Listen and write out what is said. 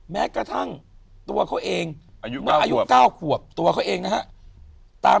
แม้กระทั่งตัวเขาเองเมื่ออายุ๙ขวบตัวเขาเองนะฮะ